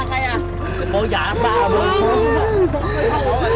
ขับเปาหญ้าประอบบนผม